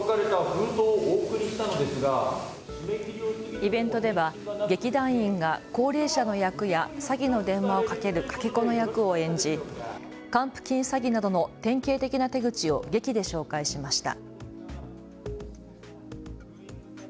イベントでは劇団員が高齢者の役や詐欺の電話をかけるかけ子の役を演じ還付金詐欺などの典型的な手口を劇で紹介しました。